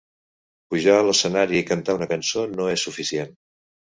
Pujar a l'escenari i cantar una cançó no és suficient.